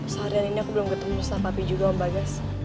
seharian ini aku belum ketemu ustaz papi juga om bagas